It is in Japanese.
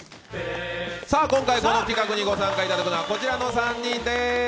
今回この企画にご参加いただくのはこちらの３人です。